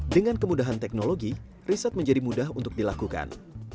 dengan kemudahan teknologi riset menjadi mudah untuk dilakukan